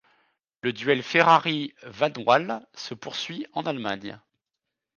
Le duel Ferrari-Vanwall se poursuit en Allemagne.